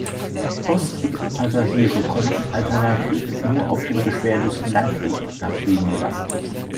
Post und Passagiere konnten alternativ nur auf dem beschwerlichen Landweg nach Bremen gelangen.